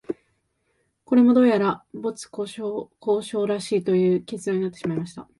これも、どうやら没交渉らしいという結論になってしまいました